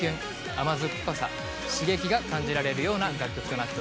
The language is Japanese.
甘酸っぱさ刺激が感じられるような楽曲となっております。